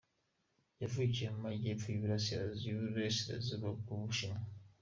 Yavukiye mu majyepfo y’uburasirazuba bw’u Bushinwa.